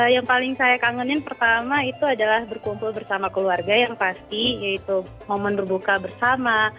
yang paling saya kangenin pertama itu adalah berkumpul bersama keluarga yang pasti yaitu momen berbuka bersama